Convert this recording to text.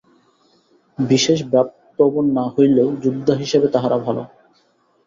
বিশেষ ভাবপ্রবণ না হইলেও যোদ্ধা হিসাবে তাহারা ভাল।